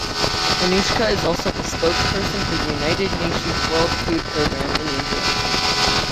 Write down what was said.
Anoushka is also the spokesperson for the United Nations World Food Programme in India.